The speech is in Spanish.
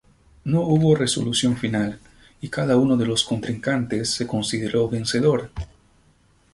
No hubo resolución final, y cada uno de los contrincantes se consideró vencedor.